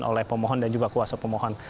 oleh pemohon dan juga kuasa pemohon